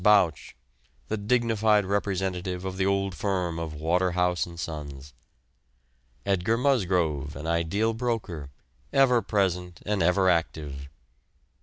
Bouch, the dignified representative of the old firm of Waterhouse and Sons; Edgar Musgrove, an ideal broker, ever present and ever active.